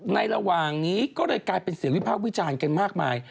ระหว่างนี้ก็เลยกลายเป็นเสียงวิพากษ์วิจารณ์กันมากมาย